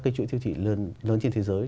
các chuỗi siêu thị lớn trên thế giới